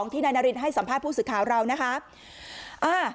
ที่นายนารินให้สัมภาษณ์ผู้สื่อข่าวเรานะคะ